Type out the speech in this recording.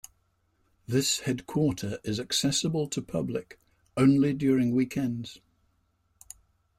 This headquarter is accessible to public only during weekends.